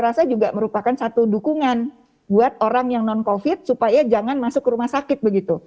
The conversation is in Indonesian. karena itu juga merupakan satu dukungan buat orang yang non covid supaya jangan masuk ke rumah sakit begitu